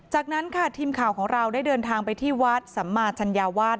จากนั้นค่ะทีมข่าวของเราได้เดินทางไปที่วัดสัมมาชัญญาวาส